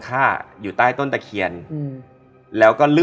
ด่าเลยเหรอ